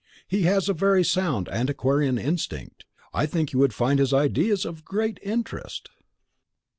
He has a very sound antiquarian instinct. I think you would find his ideas of great interest."